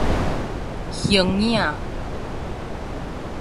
形影